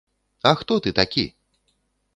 А хто ты такі?!